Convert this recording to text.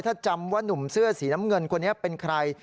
ถ้าจำว่านุ่มเสื้อสีน้ำเงินคนนี้เป็นใคร